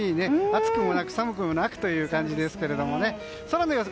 暑くもなく寒くもなくという感じですけどね。